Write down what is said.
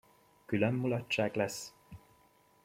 Különb mulatság lesz!